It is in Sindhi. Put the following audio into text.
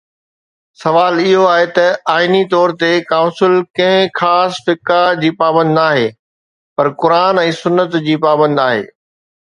سوال اهو آهي ته آئيني طور هي ڪائونسل ڪنهن خاص فقه جي پابند ناهي، پر قرآن ۽ سنت جي پابند آهي.